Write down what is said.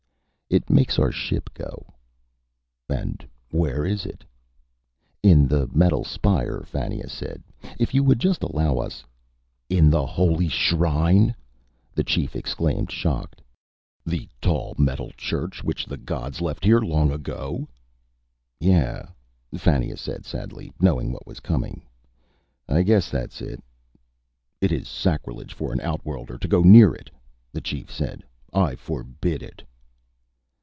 "It makes our ship go." "And where is it?" "In the metal spire," Fannia said. "If you would just allow us " "In the holy shrine?" the chief exclaimed, shocked. "The tall metal church which the gods left here long ago?" "Yeah," Fannia said sadly, knowing what was coming. "I guess that's it." "It is sacrilege for an outworlder to go near it," the chief said. "I forbid it."